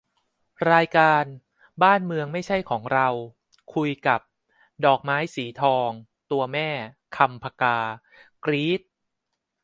รายการ 'บ้านเมืองไม่ใช่ของเรา' คุยกับ ดอกไม้สีทอง ตัวแม่ 'คำ ผกา' กรี๊ด